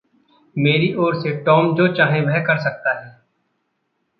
मेरी ओर से टौम जो चाहे वह कर सकता है।